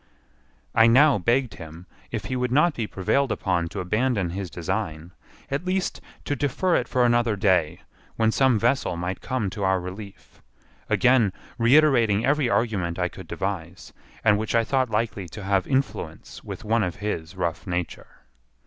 I now begged him, if he would not be prevailed upon to abandon his design, at least to defer it for another day, when some vessel might come to our relief; again reiterating every argument I could devise, and which I thought likely to have influence with one of his rough nature.